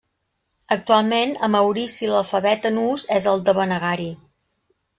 Actualment, a Maurici l'alfabet en ús és el Devanagari.